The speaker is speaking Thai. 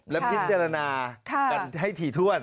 แล้วมิจิลาณาให้ถี่ถ้วน